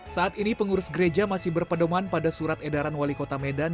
saat ini pengurus gereja masih berpedoman pada surat edaran wali kota medan